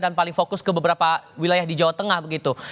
dan paling fokus ke beberapa wilayah di jawa tengah begitu